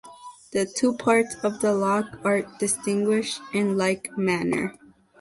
The two parts of the lock are distinguished in like manner.